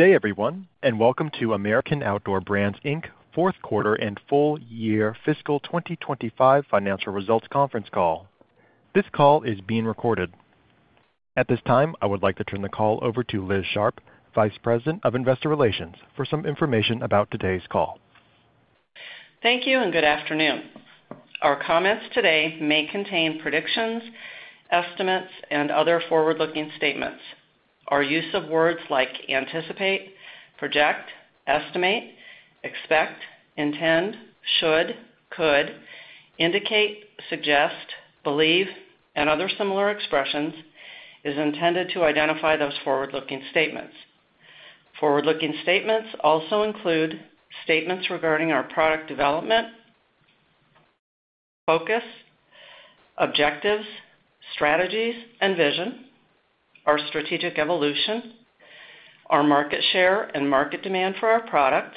Good day, everyone, and welcome to American Outdoor Brands Inc Fourth Quarter and Full Year Fiscal 2025 Financial Results Conference Call. This call is being recorded. At this time, I would like to turn the call over to Liz Sharp, Vice President of Investor Relations, for some information about today's call. Thank you and good afternoon. Our comments today may contain predictions, estimates, and other forward-looking statements. Our use of words like anticipate, project, estimate, expect, intend, should, could, indicate, suggest, believe, and other similar expressions is intended to identify those forward-looking statements. Forward-looking statements also include statements regarding our product development, focus, objectives, strategies, and vision, our strategic evolution, our market share and market demand for our products,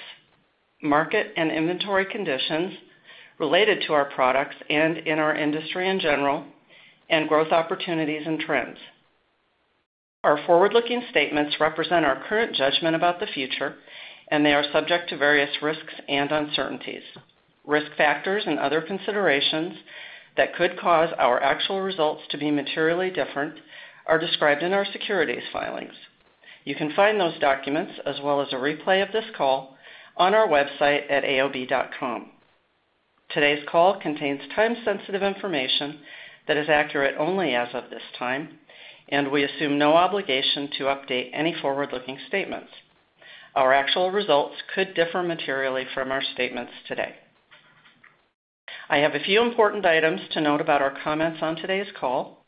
market and inventory conditions related to our products and in our industry in general, and growth opportunities and trends. Our forward-looking statements represent our current judgment about the future, and they are subject to various risks and uncertainties. Risk factors and other considerations that could cause our actual results to be materially different are described in our securities filings. You can find those documents, as well as a replay of this call, on our website at aob.com. Today's call contains time-sensitive information that is accurate only as of this time, and we assume no obligation to update any forward-looking statements. Our actual results could differ materially from our statements today. I have a few important items to note about our comments on today's call.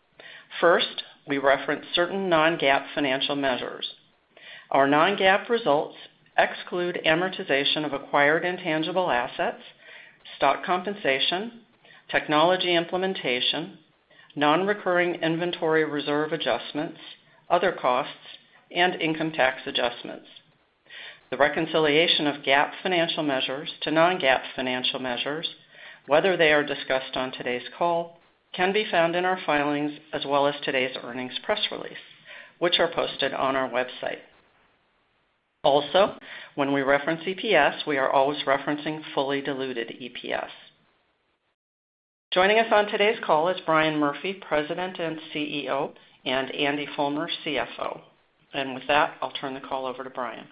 First, we reference certain non-GAAP financial measures. Our non-GAAP results exclude amortization of acquired intangible assets, stock compensation, technology implementation, non-recurring inventory reserve adjustments, other costs, and income tax adjustments. The reconciliation of GAAP financial measures to non-GAAP financial measures, whether they are discussed on today's call, can be found in our filings as well as today's earnings press release, which are posted on our website. Also, when we reference EPS, we are always referencing fully diluted EPS. Joining us on today's call is Brian Murphy, President and CEO, and Andy Fulmer, CFO. With that, I'll turn the call over to Brian.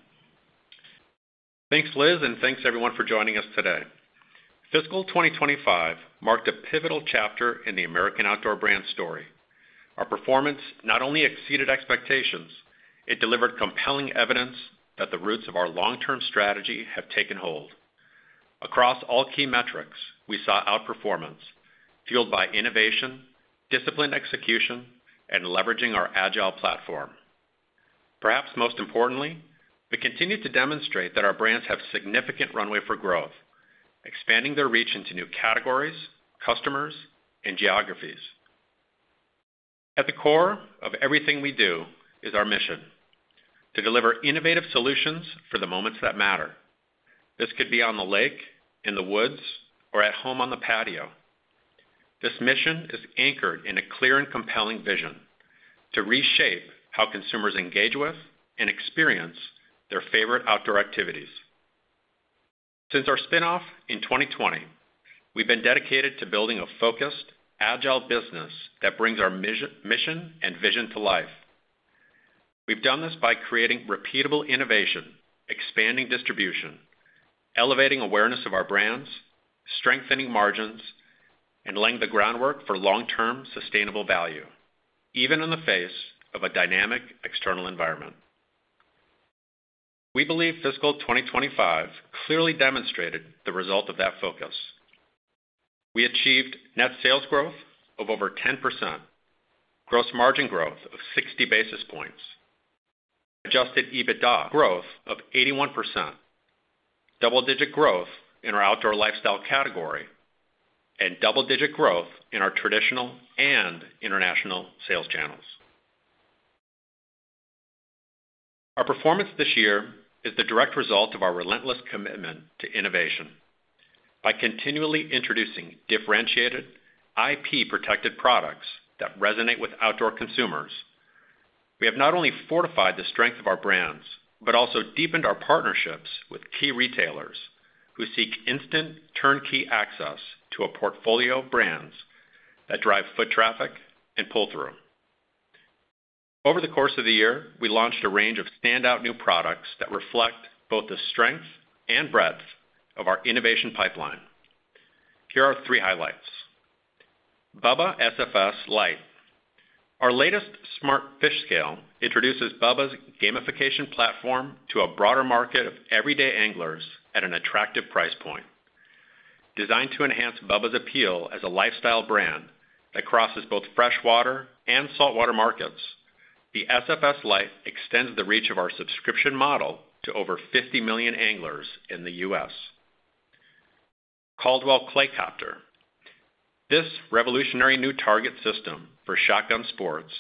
Thanks, Liz, and thanks, everyone, for joining us today. Fiscal 2025 marked a pivotal chapter in the American Outdoor Brands story. Our performance not only exceeded expectations, it delivered compelling evidence that the roots of our long-term strategy have taken hold. Across all key metrics, we saw outperformance fueled by innovation, disciplined execution, and leveraging our agile platform. Perhaps most importantly, we continue to demonstrate that our brands have significant runway for growth, expanding their reach into new categories, customers, and geographies. At the core of everything we do is our mission: to deliver innovative solutions for the moments that matter. This could be on the lake, in the woods, or at home on the patio. This mission is anchored in a clear and compelling vision to reshape how consumers engage with and experience their favorite outdoor activities. Since our spin-off in 2020, we've been dedicated to building a focused, agile business that brings our mission and vision to life. We've done this by creating repeatable innovation, expanding distribution, elevating awareness of our brands, strengthening margins, and laying the groundwork for long-term sustainable value, even in the face of a dynamic external environment. We believe Fiscal 2025 clearly demonstrated the result of that focus. We achieved net sales growth of over 10%, gross margin growth of 60 basis points, adjusted EBITDA growth of 81%, double-digit growth in our outdoor lifestyle category, and double-digit growth in our traditional and international sales channels. Our performance this year is the direct result of our relentless commitment to innovation. By continually introducing differentiated, IP–protected products that resonate with outdoor consumers, we have not only fortified the strength of our brands but also deepened our partnerships with key retailers who seek instant, turnkey access to a portfolio of brands that drive foot traffic and pull-through. Over the course of the year, we launched a range of standout new products that reflect both the strength and breadth of our innovation pipeline. Here are three highlights: Bubba SFS Lite. Our latest smart fish scale introduces Bubba's gamification platform to a broader market of everyday anglers at an attractive price point. Designed to enhance Bubba's appeal as a lifestyle brand that crosses both freshwater and saltwater markets, the SFS Lite extends the reach of our subscription model to over 50 million anglers in the U.S. Caldwell Clay Copter. This revolutionary new target system for shotgun sports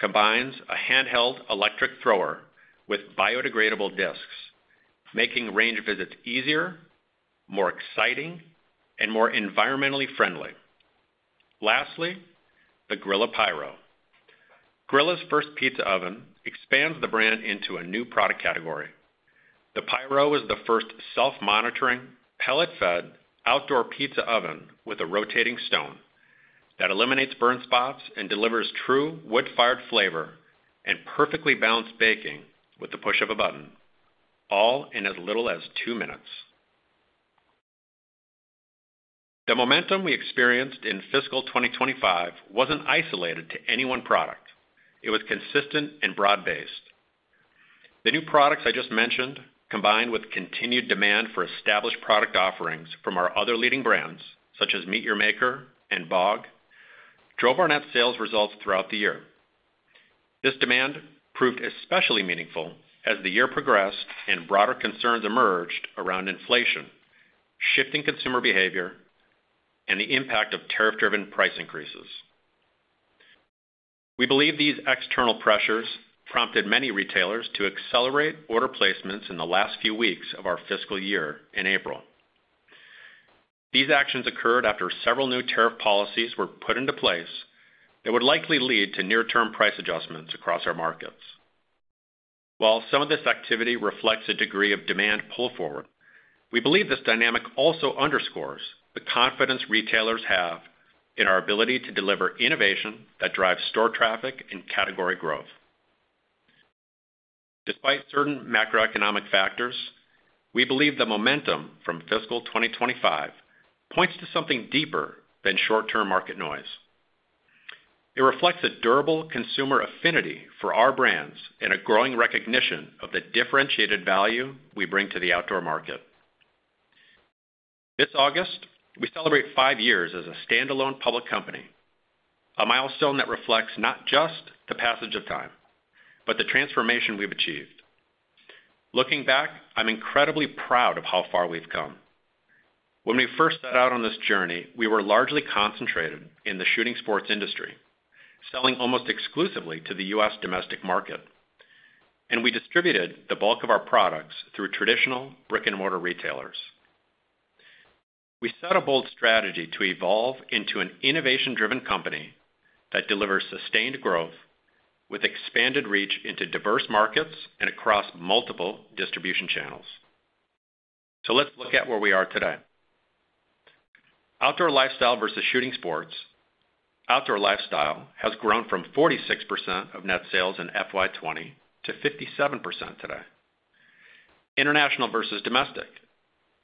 combines a handheld electric thrower with biodegradable discs, making range visits easier, more exciting, and more environmentally friendly. Lastly, the Grilla Pyro. Grilla's first pizza oven expands the brand into a new product category. The Pyro is the first self-monitoring, pellet-fed outdoor pizza oven with a rotating stone that eliminates burn spots and delivers true wood-fired flavor and perfectly balanced baking with the push of a button, all in as little as two minutes. The momentum we experienced in Fiscal 2025 was not isolated to any one product. It was consistent and broad-based. The new products I just mentioned, combined with continued demand for established product offerings from our other leading brands, such as MEAT! Your Maker and BOG, drove our net sales results throughout the year. This demand proved especially meaningful as the year progressed and broader concerns emerged around inflation, shifting consumer behavior, and the impact of tariff-driven price increases. We believe these external pressures prompted many retailers to accelerate order placements in the last few weeks of our fiscal year in April. These actions occurred after several new tariff policies were put into place that would likely lead to near-term price adjustments across our markets. While some of this activity reflects a degree of demand pull-forward, we believe this dynamic also underscores the confidence retailers have in our ability to deliver innovation that drives store traffic and category growth. Despite certain macroeconomic factors, we believe the momentum from Fiscal 2025 points to something deeper than short-term market noise. It reflects a durable consumer affinity for our brands and a growing recognition of the differentiated value we bring to the outdoor market. This August, we celebrate five years as a standalone public company, a milestone that reflects not just the passage of time but the transformation we've achieved. Looking back, I'm incredibly proud of how far we've come. When we first set out on this journey, we were largely concentrated in the shooting sports industry, selling almost exclusively to the U.S. domestic market, and we distributed the bulk of our products through traditional brick-and-mortar retailers. We set a bold strategy to evolve into an innovation-driven company that delivers sustained growth with expanded reach into diverse markets and across multiple distribution channels. Let's look at where we are today. Outdoor lifestyle versus shooting sports. Outdoor lifestyle has grown from 46% of net sales in FY 2020 to 57% today. International versus domestic.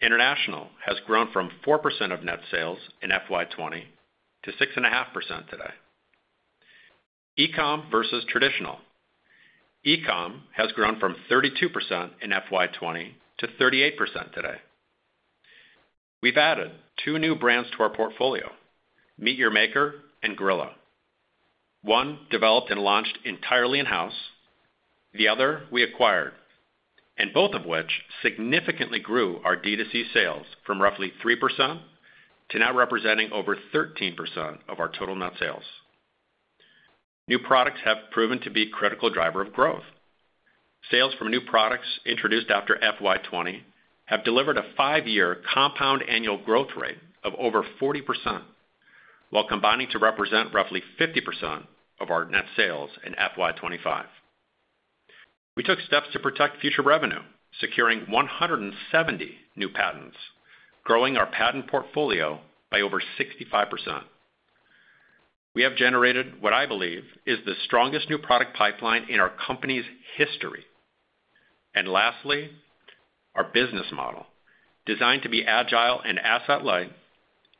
International has grown from 4% of net sales in FY 2020 to 6.5% today. E-com versus traditional. E-commerce has grown from 32% in FY 2020 to 38% today. We have added two new brands to our portfolio: MEAT! Your Maker and Grilla. One developed and launched entirely in-house. The other we acquired, and both of which significantly grew our D2C sales from roughly 3% to now representing over 13% of our total net sales. New products have proven to be a critical driver of growth. Sales from new products introduced after fiscal FY 2020 have delivered a five-year compound annual growth rate of over 40%, while combining to represent roughly 50% of our net sales in FY 2025. We took steps to protect future revenue, securing 170 new patents, growing our patent portfolio by over 65%. We have generated what I believe is the strongest new product pipeline in our company's history. Lastly, our business model, designed to be agile and asset-light,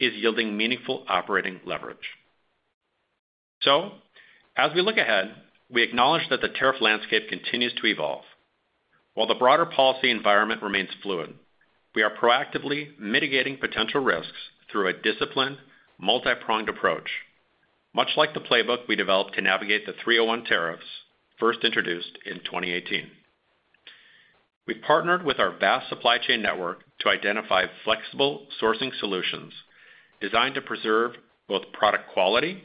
is yielding meaningful operating leverage. As we look ahead, we acknowledge that the tariff landscape continues to evolve. While the broader policy environment remains fluid, we are proactively mitigating potential risks through a disciplined, multi-pronged approach, much like the playbook we developed to navigate the 301 tariffs first introduced in 2018. We have partnered with our vast supply chain network to identify flexible sourcing solutions designed to preserve both product quality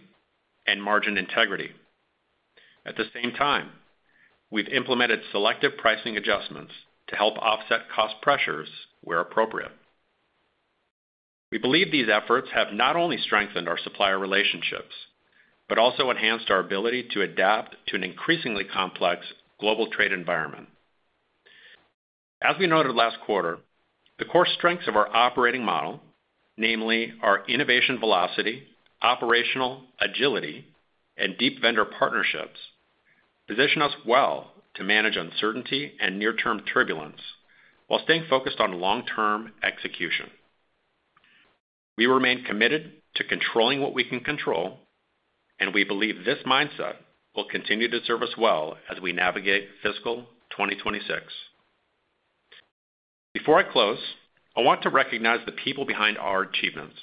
and margin integrity. At the same time, we have implemented selective pricing adjustments to help offset cost pressures where appropriate. We believe these efforts have not only strengthened our supplier relationships but also enhanced our ability to adapt to an increasingly complex global trade environment. As we noted last quarter, the core strengths of our operating model, namely our innovation velocity, operational agility, and deep vendor partnerships, position us well to manage uncertainty and near-term turbulence while staying focused on long-term execution. We remain committed to controlling what we can control, and we believe this mindset will continue to serve us well as we navigate Fiscal 2026. Before I close, I want to recognize the people behind our achievements.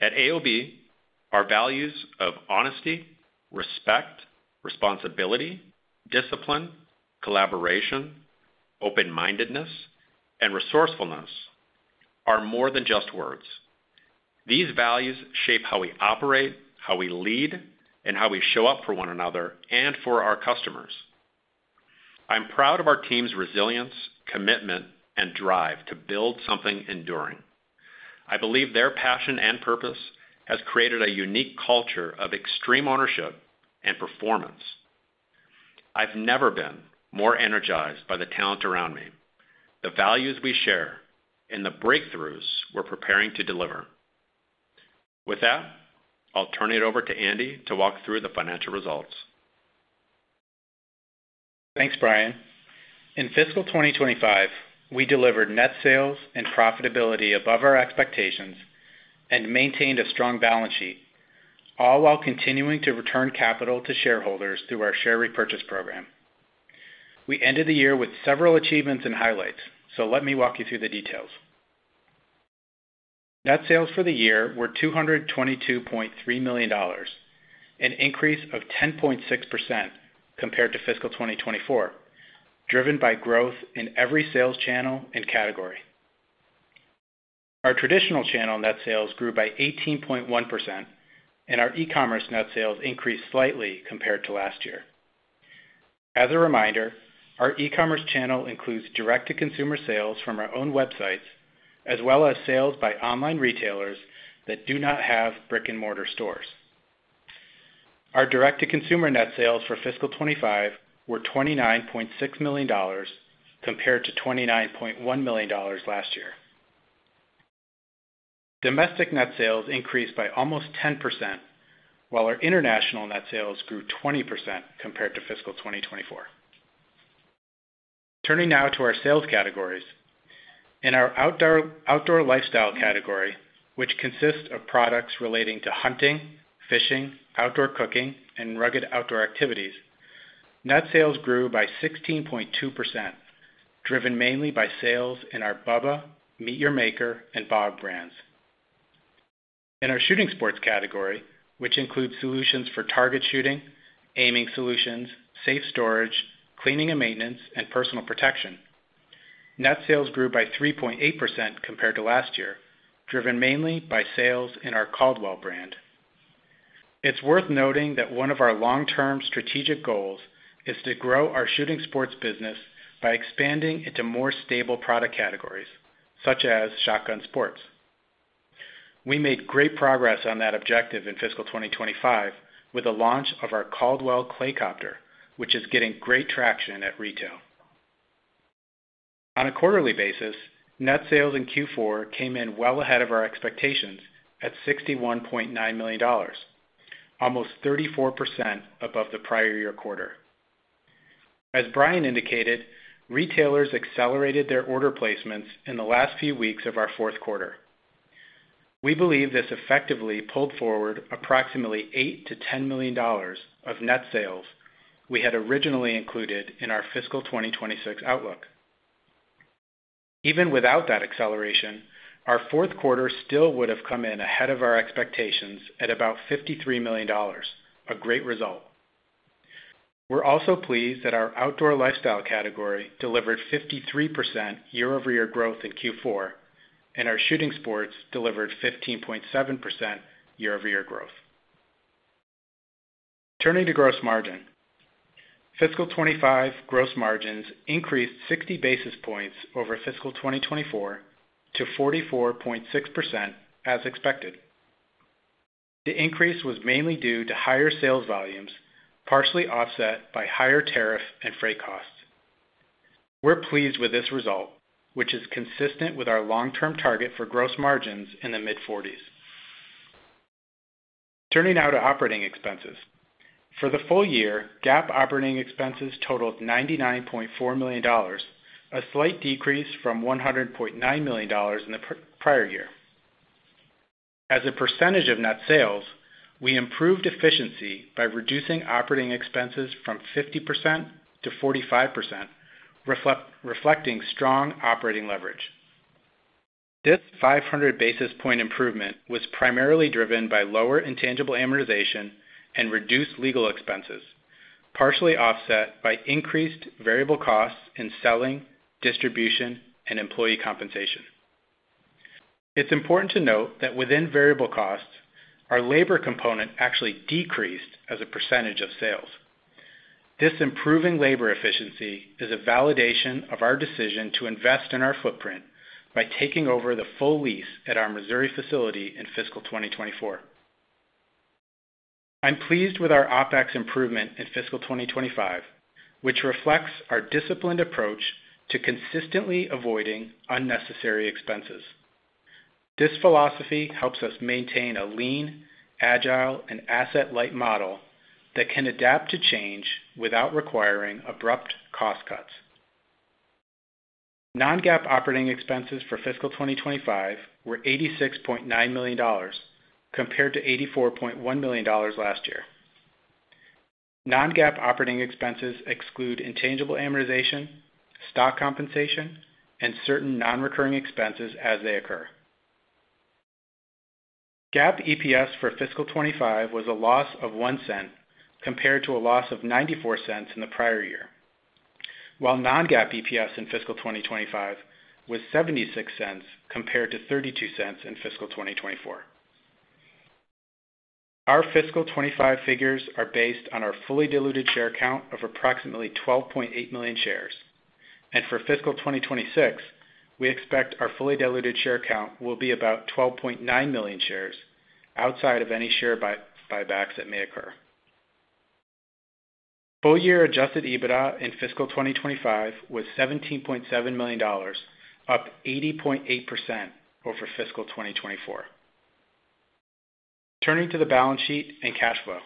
At AOB, our values of honesty, respect, responsibility, discipline, collaboration, open-mindedness, and resourcefulness are more than just words. These values shape how we operate, how we lead, and how we show up for one another and for our customers. I'm proud of our team's resilience, commitment, and drive to build something enduring. I believe their passion and purpose have created a unique culture of extreme ownership and performance. I've never been more energized by the talent around me, the values we share, and the breakthroughs we're preparing to deliver. With that, I'll turn it over to Andy to walk through the financial results. Thanks, Brian. In Fiscal 2025, we delivered net sales and profitability above our expectations and maintained a strong balance sheet, all while continuing to return capital to shareholders through our share repurchase program. We ended the year with several achievements and highlights, so let me walk you through the details. Net sales for the year were $222.3 million, an increase of 10.6% compared to Fiscal 2024, driven by growth in every sales channel and category. Our traditional channel net sales grew by 18.1%, and our e-commerce net sales increased slightly compared to last year. As a reminder, our e-commerce channel includes direct-to-consumer sales from our own websites as well as sales by online retailers that do not have brick-and-mortar stores. Our direct-to-consumer net sales for Fiscal 2025 were $29.6 million compared to $29.1 million last year. Domestic net sales increased by almost 10%, while our international net sales grew 20% compared to Fiscal 2024. Turning now to our sales categories. In our Outdoor Lifestyle category, which consists of products relating to hunting, fishing, outdoor cooking, and rugged outdoor activities, net sales grew by 16.2%, driven mainly by sales in our Bubba, MEAT! Your Maker, and BOG brands. In our Shooting Sports category, which includes solutions for target shooting, aiming solutions, safe storage, cleaning and maintenance, and personal protection, net sales grew by 3.8% compared to last year, driven mainly by sales in our Caldwell brand. It's worth noting that one of our long-term strategic goals is to grow our shooting sports business by expanding into more stable product categories, such as shotgun sports. We made great progress on that objective in Fiscal 2025 with the launch of our Caldwell Clay Copter, which is getting great traction at retail. On a quarterly basis, net sales in Q4 came in well ahead of our expectations at $61.9 million, almost 34% above the prior year quarter. As Brian indicated, retailers accelerated their order placements in the last few weeks of our fourth quarter. We believe this effectively pulled forward approximately $8–$10 million of net sales we had originally included in our Fiscal 2026 outlook. Even without that acceleration, our Fourth quarter still would have come in ahead of our expectations at about $53 million, a great result. We're also pleased that our Outdoor Lifestyle category delivered 53% year-over-year growth in Q4, and our Shooting Sports delivered 15.7% year-over-year growth. Turning to gross margin. Fiscal 2025 gross margins increased 60 basis points over Fiscal 2024 to 44.6% as expected. The increase was mainly due to higher sales volumes, partially offset by higher tariff and freight costs. We're pleased with this result, which is consistent with our long-term target for gross margins in the mid-40s. Turning now to operating expenses. For the full year, GAAP operating expenses totaled $99.4 million, a slight decrease from $100.9 million in the prior year. As a percentage of net sales, we improved efficiency by reducing operating expenses from 50%–45%, reflecting strong operating leverage. This 500 basis point improvement was primarily driven by lower intangible amortization and reduced legal expenses, partially offset by increased variable costs in selling, distribution, and employee compensation. It's important to note that within variable costs, our labor component actually decreased as a percentage of sales. This improving labor efficiency is a validation of our decision to invest in our footprint by taking over the full lease at our Missouri facility in Fiscal 2024. I'm pleased with our OPEX improvement in Fiscal 2025, which reflects our disciplined approach to consistently avoiding unnecessary expenses. This philosophy helps us maintain a lean, agile, and asset-light model that can adapt to change without requiring abrupt cost cuts. Non-GAAP operating expenses for Fiscal 2025 were $86.9 million compared to $84.1 million last year. Non-GAAP operating expenses exclude intangible amortization, stock compensation, and certain non-recurring expenses as they occur. GAAP EPS for Fiscal 2025 was a loss of $0.01 compared to a loss of $0.94 in the prior year, while non-GAAP EPS in Fiscal 2025 was $0.76 compared to $0.32 in Fiscal 2024. Our Fiscal 2025 figures are based on our fully diluted share count of approximately 12.8 million shares, and for Fiscal 2026, we expect our fully diluted share count will be about 12.9 million shares outside of any share buybacks that may occur. Full-year adjusted EBITDA in Fiscal 2025 was $17.7 million, up 80.8% over Fiscal 2024. Turning to the balance sheet and cash flow.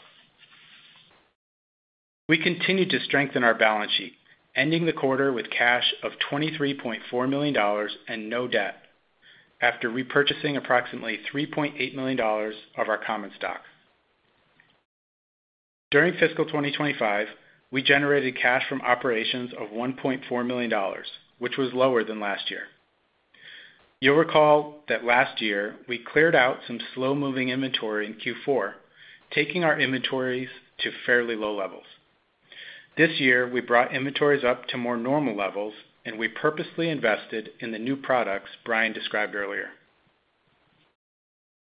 We continued to strengthen our balance sheet, ending the quarter with cash of $23.4 million and no debt after repurchasing approximately $3.8 million of our common stock. During Fiscal 2025, we generated cash from operations of $1.4 million, which was lower than last year. You'll recall that last year we cleared out some slow-moving inventory in Q4, taking our inventories to fairly low levels. This year, we brought inventories up to more normal levels, and we purposely invested in the new products Brian described earlier.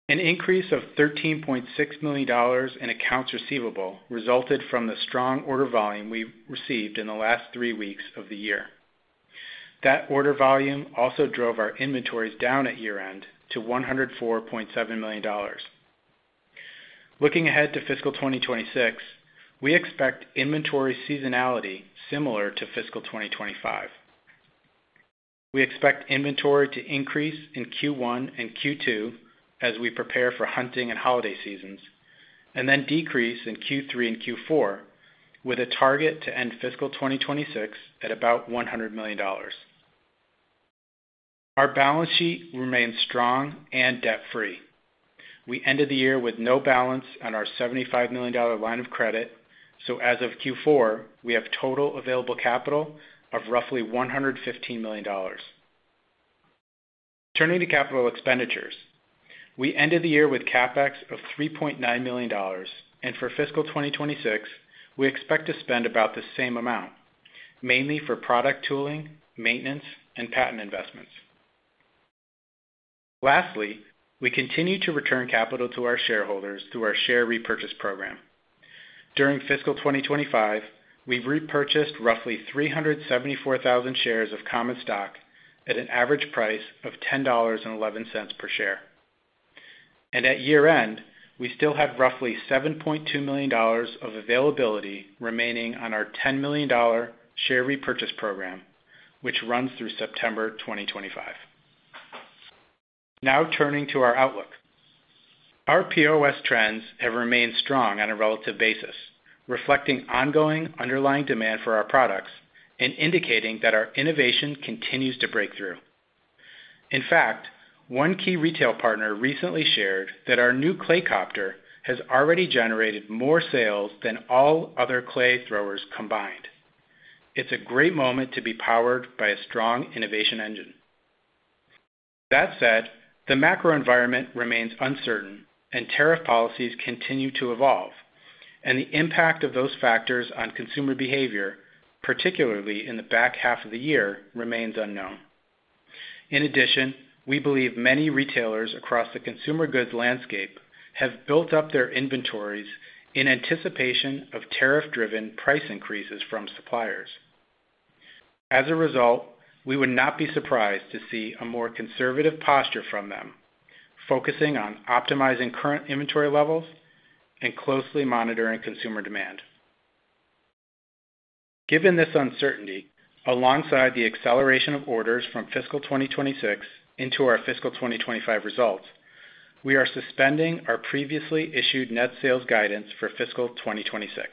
An increase of $13.6 million in accounts receivable resulted from the strong order volume we received in the last three weeks of the year. That order volume also drove our inventories down at year-end to $104.7 million. Looking ahead to Fiscal 2026, we expect inventory seasonality similar to Fiscal 2025. We expect inventory to increase in Q1 and Q2 as we prepare for hunting and holiday seasons, and then decrease in Q3 and Q4 with a target to end Fiscal 2026 at about $100 million. Our balance sheet remains strong and debt-free. We ended the year with no balance on our $75 million line of credit, so as of Q4, we have total available capital of roughly $115 million. Turning to Capital Expenditures. We ended the year with CAPEX of $3.9 million, and for Fiscal 2026, we expect to spend about the same amount, mainly for product tooling, maintenance, and patent investments. Lastly, we continue to return capital to our shareholders through our share repurchase program. During Fiscal 2025, we've repurchased roughly 374,000 shares of common stock at an average price of $10.11 per share. At year-end, we still have roughly $7.2 million of availability remaining on our $10 million share repurchase program, which runs through September 2025. Now turning to our outlook. Our POS trends have remained strong on a relative basis, reflecting ongoing underlying demand for our products and indicating that our innovation continues to break through. In fact, one key retail partner recently shared that our new Clay Copter has already generated more sales than all other clay throwers combined. It's a great moment to be powered by a strong innovation engine. That said, the macro environment remains uncertain, and tariff policies continue to evolve, and the impact of those factors on consumer behavior, particularly in the back half of the year, remains unknown. In addition, we believe many retailers across the consumer goods landscape have built up their inventories in anticipation of tariff-driven price increases from suppliers. As a result, we would not be surprised to see a more conservative posture from them, focusing on optimizing current inventory levels and closely monitoring consumer demand. Given this uncertainty, alongside the acceleration of orders from Fiscal 2026 into our Fiscal 2025 results, we are suspending our previously issued net sales guidance for Fiscal 2026.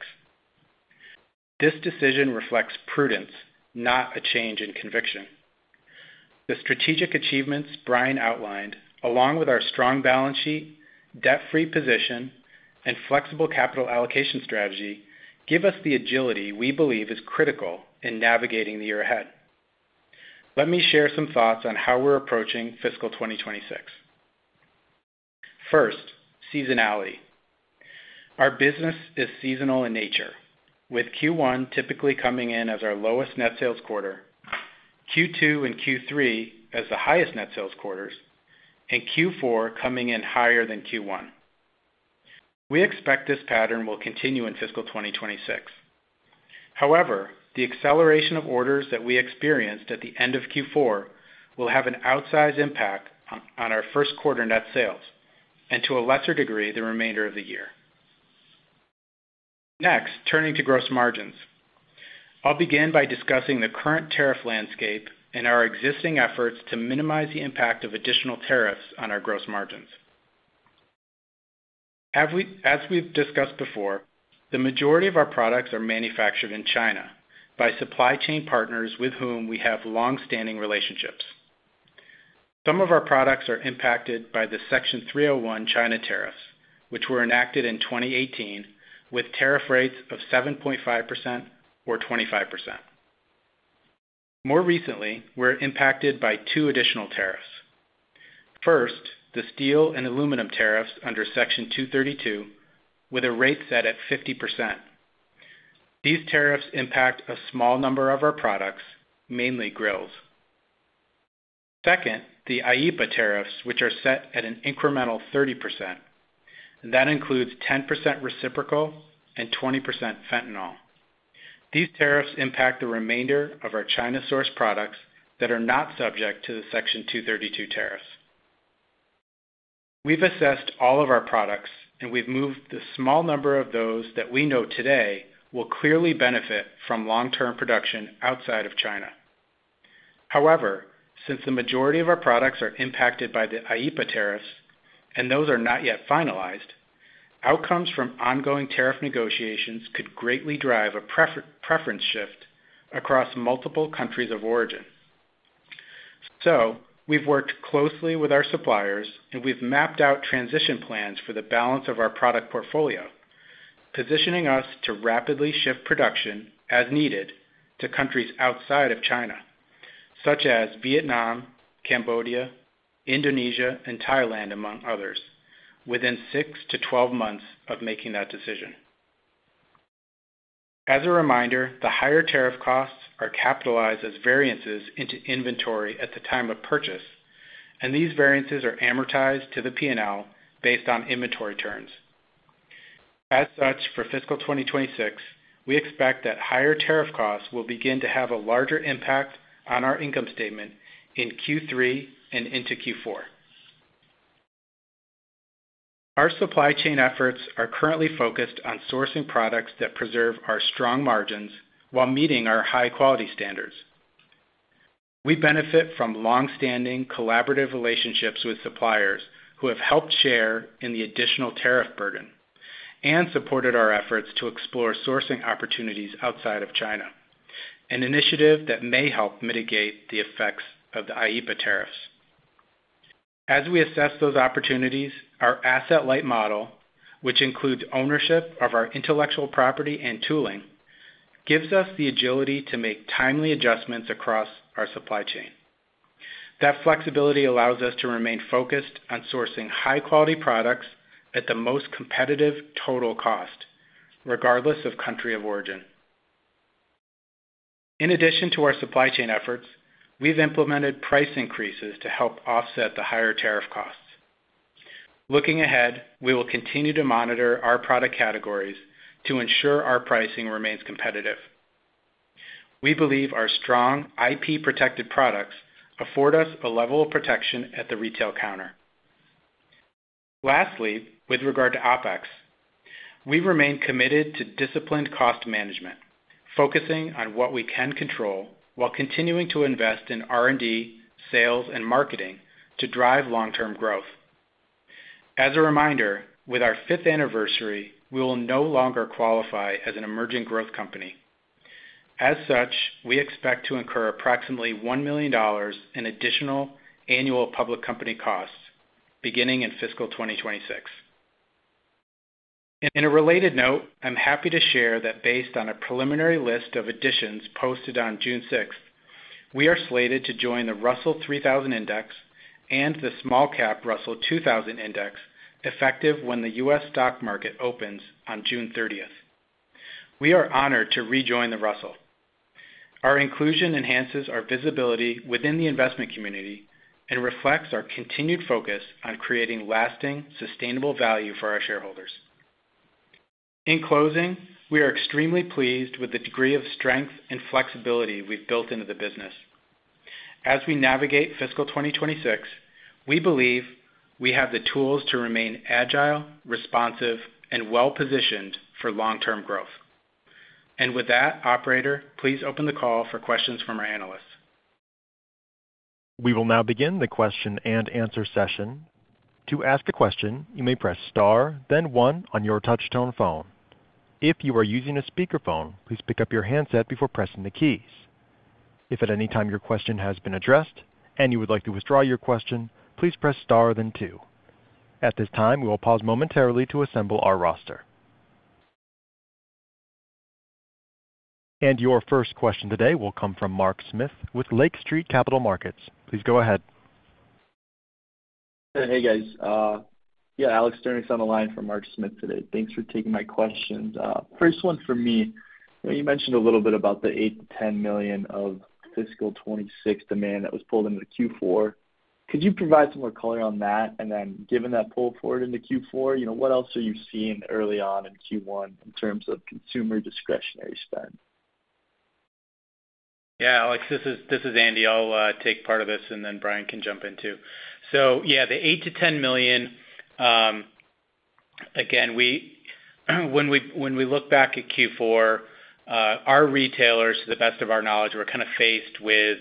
This decision reflects prudence, not a change in conviction. The strategic achievements Brian outlined, along with our strong balance sheet, debt-free position, and flexible capital allocation strategy, give us the agility we believe is critical in navigating the year ahead. Let me share some thoughts on how we're approaching Fiscal 2026. First, seasonality: Our business is seasonal in nature, with Q1 typically coming in as our lowest net sales quarter, Q2 and Q3 as the highest net sales quarters, and Q4 coming in higher than Q1. We expect this pattern will continue in Fiscal 2026. However, the acceleration of orders that we experienced at the end of Q4 will have an outsized impact on our first quarter net sales, and to a lesser degree, the remainder of the year. Next, turning to gross margins. I'll begin by discussing the current tariff landscape and our existing efforts to minimize the impact of additional tariffs on our gross margins. As we've discussed before, the majority of our products are manufactured in China by supply chain partners with whom we have long-standing relationships. Some of our products are impacted by the Section 301 China tariffs, which were enacted in 2018 with tariff rates of 7.5% or 25%. More recently, we're impacted by two additional tariffs. First, the steel and aluminum tariffs under Section 232, with a rate set at 50%. These tariffs impact a small number of our products, mainly grills. Second, the IEPA tariffs, which are set at an incremental 30%. That includes 10% reciprocal and 20% fentanyl. These tariffs impact the remainder of our China–sourced products that are not subject to the Section 232 tariffs. We've assessed all of our products, and we've moved the small number of those that we know today will clearly benefit from long-term production outside of China. However, since the majority of our products are impacted by the IEPA tariffs, and those are not yet finalized, outcomes from ongoing tariff negotiations could greatly drive a preference shift across multiple countries of origin. We have worked closely with our suppliers, and we have mapped out transition plans for the balance of our product portfolio, positioning us to rapidly shift production as needed to countries outside of China, such as Vietnam, Cambodia, Indonesia, and Thailand, among others, within 6-12 months of making that decision. As a reminder, the higher tariff costs are capitalized as variances into inventory at the time of purchase, and these variances are amortized to the P&L based on inventory turns. As such, for Fiscal 2026, we expect that higher tariff costs will begin to have a larger impact on our income statement in Q3 and into Q4. Our supply chain efforts are currently focused on sourcing products that preserve our strong margins while meeting our high-quality standards. We benefit from long-standing collaborative relationships with suppliers who have helped share in the additional tariff burden and supported our efforts to explore sourcing opportunities outside of China, an initiative that may help mitigate the effects of the IEPA tariffs. As we assess those opportunities, our asset-light model, which includes ownership of our intellectual property and tooling, gives us the agility to make timely adjustments across our supply chain. That flexibility allows us to remain focused on sourcing high-quality products at the most competitive total cost, regardless of country of origin. In addition to our supply chain efforts, we've implemented price increases to help offset the higher tariff costs. Looking ahead, we will continue to monitor our product categories to ensure our pricing remains competitive. We believe our strong IP-protected products afford us a level of protection at the retail counter. Lastly, with regard to OPEX, we remain committed to disciplined cost management, focusing on what we can control while continuing to invest in R&D, sales, and marketing to drive long-term growth. As a reminder, with our fifth anniversary, we will no longer qualify as an Emerging Growth Company. As such, we expect to incur approximately $1 million in additional annual public company costs beginning in Fiscal 2026. In a related note, I'm happy to share that based on a preliminary list of additions posted on June 6th, we are slated to join the Russell 3000 Index and the Small Cap Russell 2000 Index effective when the U.S. stock market opens on June 30th. We are honored to rejoin the Russell. Our inclusion enhances our visibility within the investment community and reflects our continued focus on creating lasting, sustainable value for our shareholders. In closing, we are extremely pleased with the degree of strength and flexibility we've built into the business. As we navigate Fiscal 2026, we believe we have the tools to remain agile, responsive, and well-positioned for long-term growth. Operator, please open the call for questions from our analysts. We will now begin the question and answer session. To ask a question, you may press star, then one on your touch-tone phone. If you are using a speakerphone, please pick up your handset before pressing the keys. If at any time your question has been addressed and you would like to withdraw your question, please press star, then two. At this time, we will pause momentarily to assemble our roster. Your first question today will come from Mark Smith with Lake Street Capital Markets. Please go ahead. Hey, guys. Yeah, Alex Sternis on the line from Mark Smith today. Thanks for taking my questions. First one for me, you mentioned a little bit about the $8 million-$10 million of Fiscal 2026 demand that was pulled into Q4. Could you provide some more color on that? Given that pull forward into Q4, what else are you seeing early on in Q1 in terms of consumer discretionary spend? Yeah, Alex, this is Andy. I'll take part of this, and then Brian can jump in too. The $8 million–$10 million, again, when we look back at Q4, our retailers, to the best of our knowledge, were kind of faced with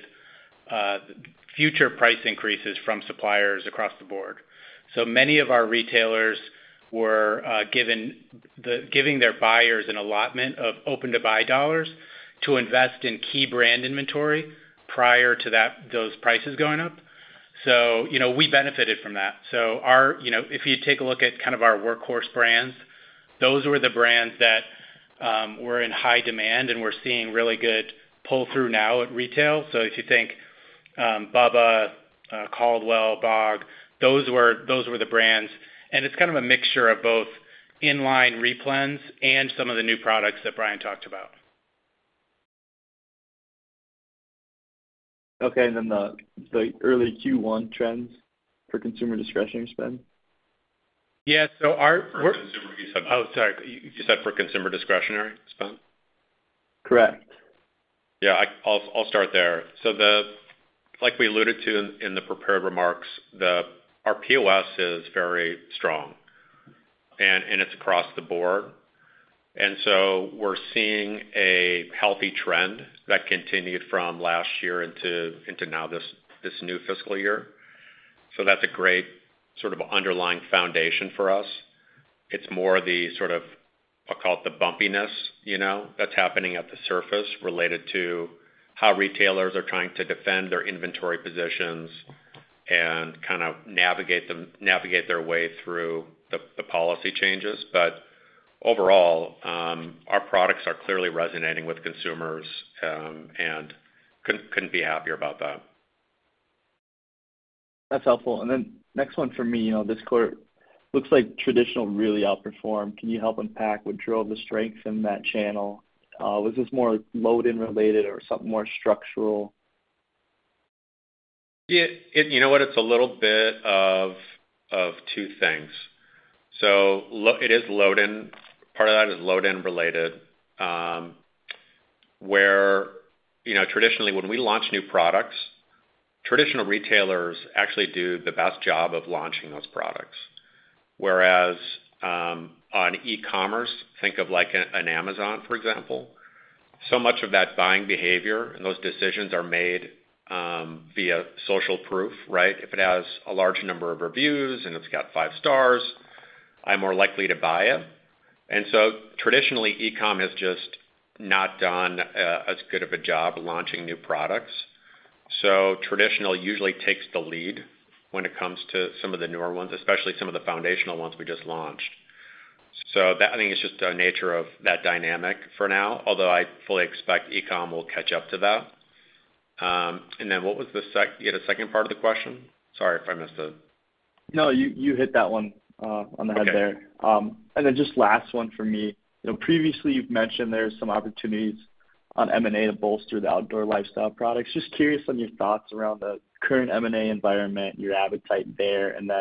future price increases from suppliers across the board. Many of our retailers were giving their buyers an allotment of open-to-buy dollars to invest in key brand inventory prior to those prices going up. We benefited from that. If you take a look at kind of our workhorse brands, those were the brands that were in high demand, and we're seeing really good pull-through now at retail. If you think Bubba, Caldwell, BOG, those were the brands. It's kind of a mixture of both in-line replans and some of the new products that Brian talked about. Okay. The early Q1 trends for consumer discretionary spend? Yeah. Oh, sorry. You said for consumer discretionary spend? Correct. Yeah, I'll start there. Like we alluded to in the prepared remarks, our POS is very strong, and it's across the board. We're seeing a healthy trend that continued from last year into now this new fiscal year. That's a great sort of underlying foundation for us. It's more the sort of, I'll call it the bumpiness that's happening at the surface related to how retailers are trying to defend their inventory positions and kind of navigate their way through the policy changes. Overall, our products are clearly resonating with consumers, and couldn't be happier about that. That's helpful. Next one for me, this quarter looks like traditional really outperformed. Can you help unpack what drove the strength in that channel? Was this more load-in related or something more structural? You know what? It's a little bit of two things. It is load-in. Part of that is load-in related, where traditionally, when we launch new products, traditional retailers actually do the best job of launching those products. Whereas on e-commerce, think of an Amazon, for example, so much of that buying behavior and those decisions are made via social proof, right? If it has a large number of reviews and it's got five stars, I'm more likely to buy it. Traditionally, e-com has just not done as good of a job launching new products. Traditional usually takes the lead when it comes to some of the newer ones, especially some of the foundational ones we just launched. That, I think, is just the nature of that dynamic for now, although I fully expect e-com will catch up to that. What was the second part of the question? Sorry if I missed it. No, you hit that one on the head there. Just last one for me. Previously, you have mentioned there are some opportunities on M&A to bolster the outdoor lifestyle products. Just curious on your thoughts around the current M&A environment, your appetite there, and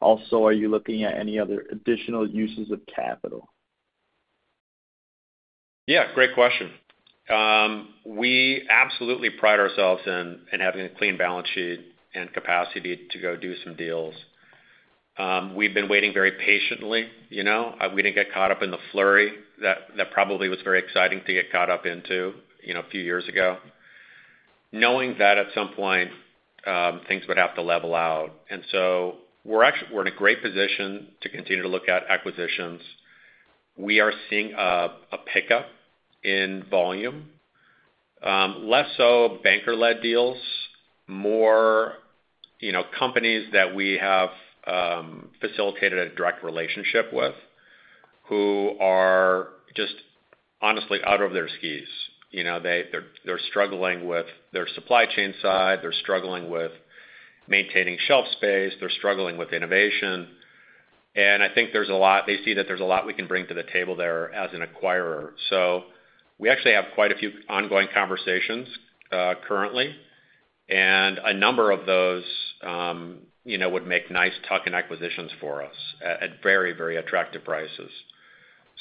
also, are you looking at any other additional uses of capital? Yeah, great question. We absolutely pride ourselves in having a clean balance sheet and capacity to go do some deals. We have been waiting very patiently. We did not get caught up in the flurry that probably was very exciting to get caught up into a few years ago, knowing that at some point, things would have to level out. We are in a great position to continue to look at acquisitions. We are seeing a pickup in volume, less so banker-led deals, more companies that we have facilitated a direct relationship with who are just honestly out of their skis. They're struggling with their supply chain side. They're struggling with maintaining shelf space. They're struggling with innovation. I think they see that there's a lot we can bring to the table there as an acquirer. We actually have quite a few ongoing conversations currently, and a number of those would make nice tuck-in acquisitions for us at very, very attractive prices.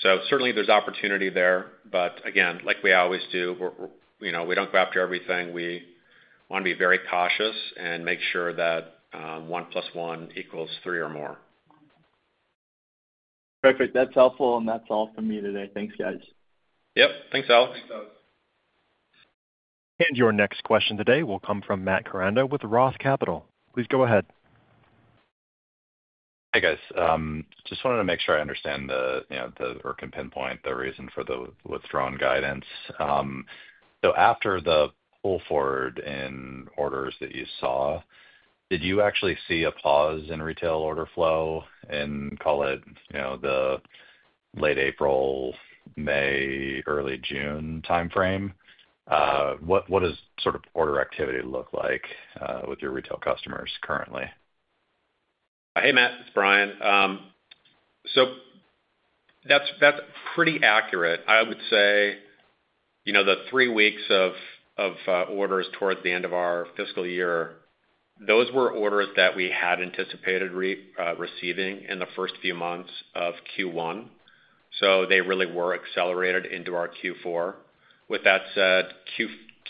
Certainly, there's opportunity there. Again, like we always do, we don't go after everything. We want to be very cautious and make sure that one plus one equals three or more. Perfect. That's helpful, and that's all for me today. Thanks, guys. Yep. Thanks, Alex. Thanks, Alex. Your next question today will come from Matt Koranda with ROTH Capital. Please go ahead. Hi, guys. Just wanted to make sure I understand or can pinpoint the reason for the withdrawn guidance. After the pull–forward in orders that you saw, did you actually see a pause in retail order flow in, call it, the late April, May, early June timeframe? What does sort of order activity look like with your retail customers currently? Hey, Matt. It's Brian. That's pretty accurate. I would say the three weeks of orders towards the end of our fiscal year, those were orders that we had anticipated receiving in the first few months of Q1. They really were accelerated into our Q4. With that said,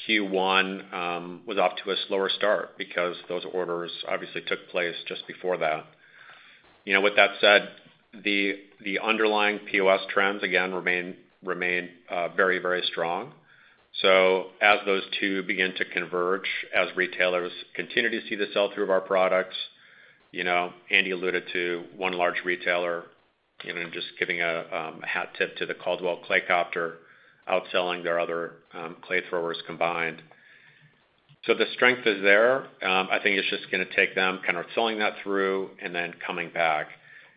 Q1 was off to a slower start because those orders obviously took place just before that. With that said, the underlying POS trends, again, remain very, very strong. As those two begin to converge, as retailers continue to see the sell-through of our products, Andy alluded to one large retailer and just giving a hat tip to the Caldwell Clay Copter, outselling their other clay throwers combined. The strength is there. I think it is just going to take them kind of selling that through and then coming back.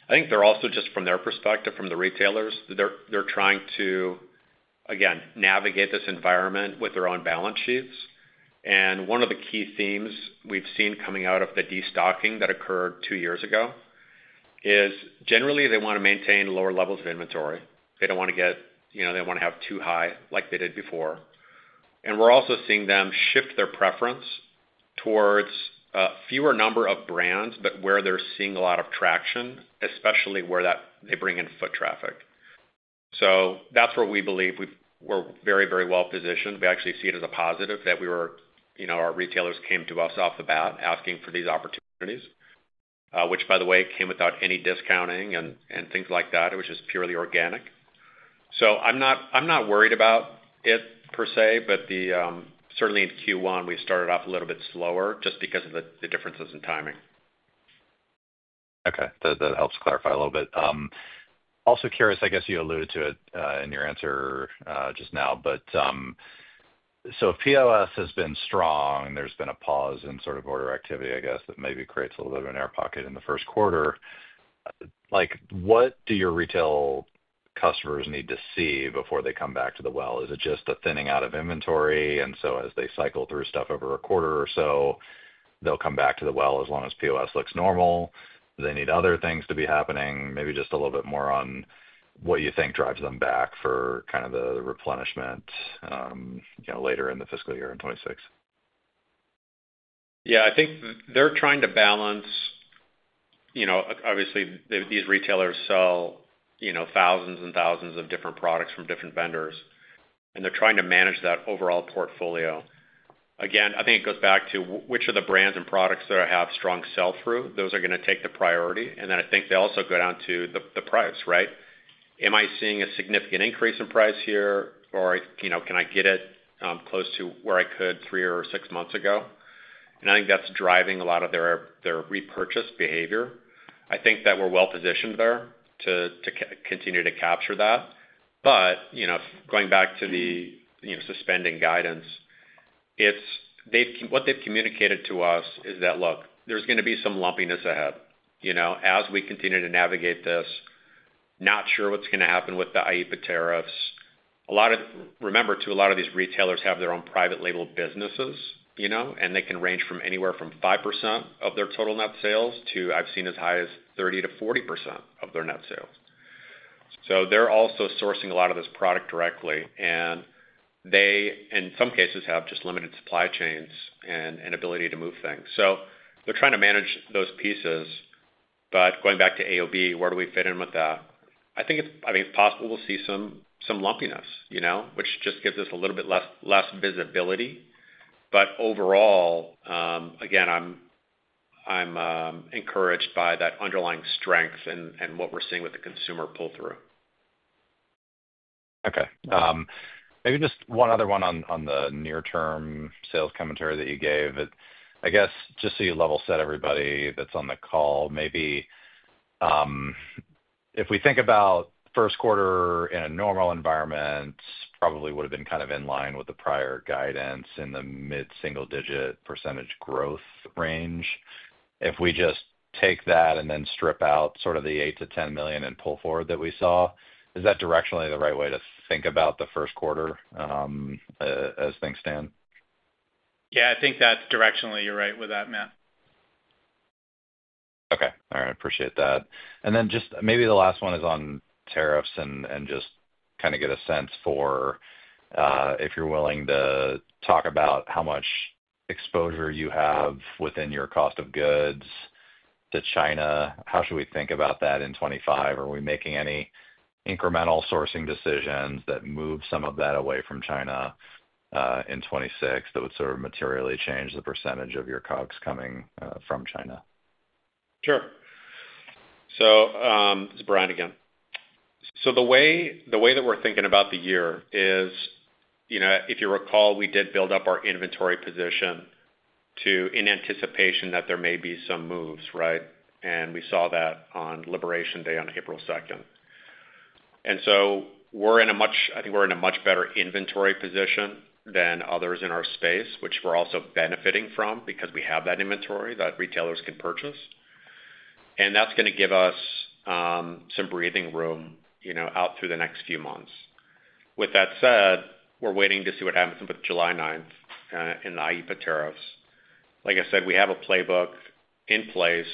I think they are also just, from their perspective, from the retailers, they are trying to, again, navigate this environment with their own balance sheets. One of the key themes we have seen coming out of the destocking that occurred two years ago is, generally, they want to maintain lower levels of inventory. They do not want to get—they do not want to have too high like they did before. We're also seeing them shift their preference towards a fewer number of brands, but where they're seeing a lot of traction, especially where they bring in foot traffic. That is where we believe we're very, very well positioned. We actually see it as a positive that our retailers came to us off the bat asking for these opportunities, which, by the way, came without any discounting and things like that. It was just purely organic. I'm not worried about it per se, but certainly in Q1, we started off a little bit slower just because of the differences in timing. Okay. That helps clarify a little bit. Also curious, I guess you alluded to it in your answer just now, but if POS has been strong and there's been a pause in sort of order activity, I guess that maybe creates a little bit of an air pocket in the first quarter. What do your retail customers need to see before they come back to the well? Is it just the thinning out of inventory? As they cycle through stuff over a quarter or so, they'll come back to the well as long as POS looks normal. Do they need other things to be happening? Maybe just a little bit more on what you think drives them back for kind of the replenishment later in the fiscal year in 2026? Yeah. I think they're trying to balance. Obviously, these retailers sell thousands and thousands of different products from different vendors, and they're trying to manage that overall portfolio. Again, I think it goes back to which are the brands and products that have strong sell-through. Those are going to take the priority. I think they also go down to the price, right? Am I seeing a significant increase in price here, or can I get it close to where I could three or six months ago? I think that's driving a lot of their repurchase behavior. I think that we're well positioned there to continue to capture that. Going back to the suspending guidance, what they've communicated to us is that, "Look, there's going to be some lumpiness ahead. As we continue to navigate this, not sure what's going to happen with the IEPA tariffs. Remember, too, a lot of these retailers have their own private label businesses, and they can range from anywhere from 5% of their total net sales to, I've seen, as high as 30–40% of their net sales. So they're also sourcing a lot of this product directly, and they, in some cases, have just limited supply chains and an ability to move things. They're trying to manage those pieces. Going back to AOB, where do we fit in with that? I think it's possible we'll see some lumpiness, which just gives us a little bit less visibility. Overall, again, I'm encouraged by that underlying strength and what we're seeing with the consumer pull-through. Okay. Maybe just one other one on the near-term sales commentary that you gave. I guess just so you level set everybody that's on the call, maybe if we think about first quarter in a normal environment, probably would have been kind of in line with the prior guidance in the mid-single-digit % growth range. If we just take that and then strip out sort of the $8 million–$10 million in pull–forward that we saw, is that directionally the right way to think about the first quarter as things stand? Yeah. I think that's directionally you're right with that, Matt. Okay. All right. I appreciate that. And then just maybe the last one is on tariffs and just kind of get a sense for if you're willing to talk about how much exposure you have within your cost of goods to China. How should we think about that in 2025? Are we making any incremental sourcing decisions that move some of that away from China in 2026 that would sort of materially change the percentage of your COGS coming from China? Sure. So this is Brian again. The way that we're thinking about the year is, if you recall, we did build up our inventory position in anticipation that there may be some moves, right? We saw that on Liberation Day on April 2. I think we're in a much better inventory position than others in our space, which we're also benefiting from because we have that inventory that retailers can purchase. That is going to give us some breathing room out through the next few months. With that said, we're waiting to see what happens with July 9 in the IEPA tariffs. Like I said, we have a playbook in place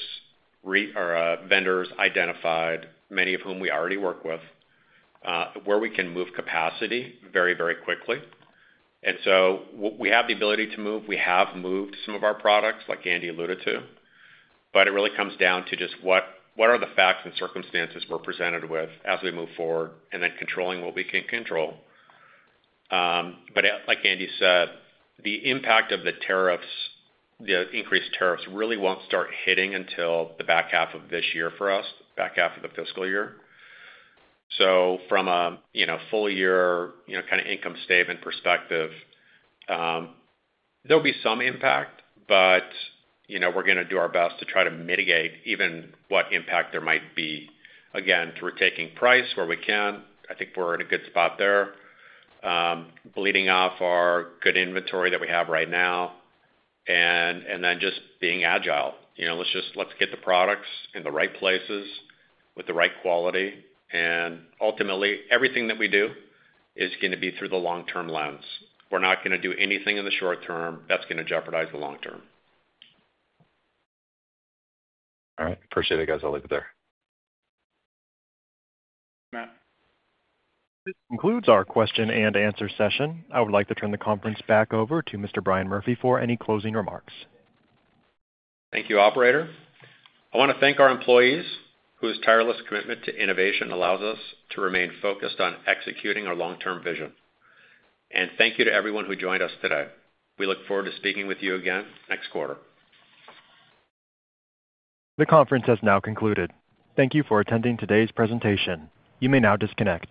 or vendors identified, many of whom we already work with, where we can move capacity very, very quickly. We have the ability to move. We have moved some of our products, like Andy alluded to. It really comes down to just what are the facts and circumstances we're presented with as we move forward and then controlling what we can control. Like Andy said, the impact of the increased tariffs really will not start hitting until the back half of this year for us, back half of the fiscal year. From a full-year kind of income statement perspective, there will be some impact, but we're going to do our best to try to mitigate even what impact there might be. Again, through taking price where we can, I think we're in a good spot there, bleeding off our good inventory that we have right now, and then just being agile. Let's get the products in the right places with the right quality. Ultimately, everything that we do is going to be through the long-term lens. We're not going to do anything in the short term that's going to jeopardize the long term. All right. Appreciate it, guys. I'll leave it there. Matt. This concludes our question and answer session. I would like to turn the conference back over to Mr. Brian Murphy for any closing remarks. Thank you, operator. I want to thank our employees whose tireless commitment to innovation allows us to remain focused on executing our long-term vision. Thank you to everyone who joined us today. We look forward to speaking with you again next quarter. The conference has now concluded. Thank you for attending today's presentation. You may now disconnect.